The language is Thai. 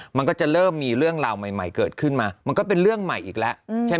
มันก็จะเริ่มมีเรื่องราวใหม่เกิดขึ้นมามันก็เป็นเรื่องใหม่อีกแล้วใช่ไหม